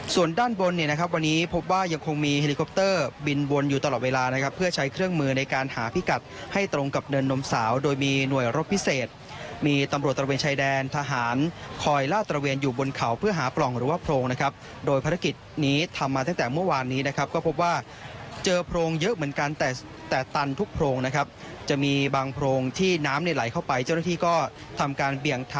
ส่วนด้านบนเนี่ยนะครับวันนี้พบว่ายังคงมีเฮลิคอปเตอร์บินวนอยู่ตลอดเวลานะครับเพื่อใช้เครื่องมือในการหาพิกัดให้ตรงกับเนินนมสาวโดยมีหน่วยรถพิเศษมีตำรวจตระเวนชายแดนทหารคอยล่าตระเวนอยู่บนเขาเพื่อหาปล่องหรือว่าโพรงนะครับโดยภารกิจนี้ทำมาตั้งแต่เมื่อวานนี้นะครับก็พบว่าเจอโพร